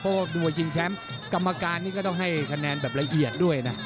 เพราะว่ามวยชิงแชมป์กรรมการนี้ก็ต้องให้คะแนนแบบละเอียดด้วยนะ